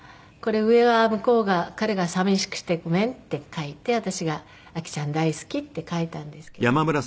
これ上は向こうが彼が「さみしくしてごめん」って書いて私が「あきちゃん大好き」って書いたんですけど。